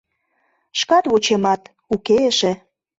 Шкат вучемат, уке эше.